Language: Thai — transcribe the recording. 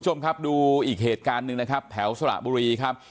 คุณผู้ชมครับดูอีกเหตุการณ์หนึ่งนะครับแถวสระบุรีครับ